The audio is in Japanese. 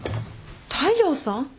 大陽さん！？